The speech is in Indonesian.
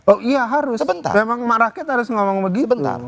oh iya harus memang rakyat harus ngomong begini benar